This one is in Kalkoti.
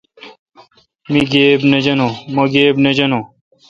مہ گیبی نہ جانون